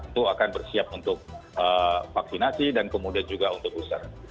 itu akan bersiap untuk vaksinasi dan kemudian juga untuk booster